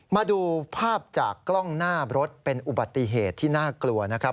มาดูภาพจากกล้องหน้ารถเป็นอุบัติเหตุที่น่ากลัวนะครับ